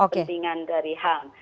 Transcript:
kepentingan dari ham